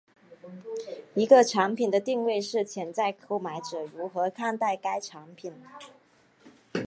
一个产品的定位是潜在购买者如何看待该产品。